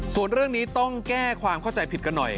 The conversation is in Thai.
ส่วนเรื่องนี้ต้องแก้ความเข้าใจผิดกันหน่อย